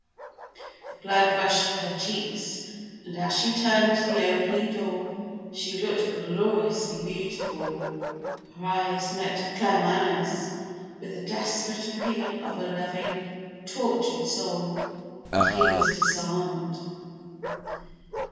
The blood rushed to her cheeks, and as she turned to the opening door, she looked gloriously beautiful. Her eyes met Claremanagh's with the desperate appeal of a loving, tortured soul, and he was disarmed.